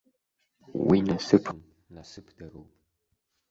Уи насыԥым, насыԥдароуп.